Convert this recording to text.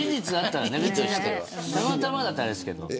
たまたまだったらあれですけど。